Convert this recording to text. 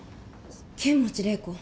剣持麗子